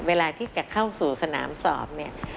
เวลาที่จะเข้าสู่สนามสอบเนี่ย